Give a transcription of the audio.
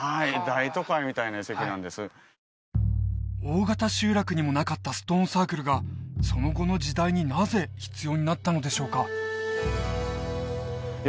大型集落にもなかったストーンサークルがその後の時代になぜ必要になったのでしょうか？